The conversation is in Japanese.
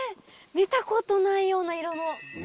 見たことないような色の。